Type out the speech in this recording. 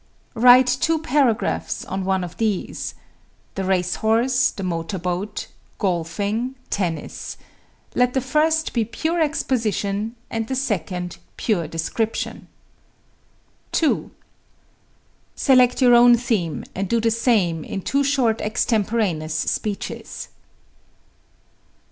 Write two paragraphs on one of these: the race horse, the motor boat, golfing, tennis; let the first be pure exposition and the second pure description. 2. Select your own theme and do the same in two short extemporaneous speeches.